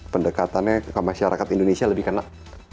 pendekatannya ke masyarakat indonesia lebih kena